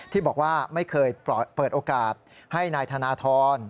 ที่บอกว่าไม่เคยเปิดโอกาสให้นายธนทร